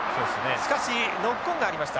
しかしノックオンがありました。